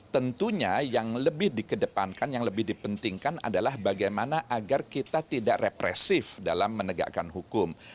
tentunya yang lebih dikedepankan yang lebih dipentingkan adalah bagaimana agar kita tidak represif dalam menegakkan hukum